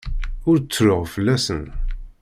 Ur ttruɣ fell-asen.